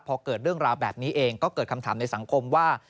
พอเกิดเรื่องราวแบบนี้เองก็เกิดคำถามในสังคมว่า